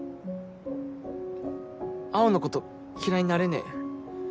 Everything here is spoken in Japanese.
青のこと嫌いになれねえ。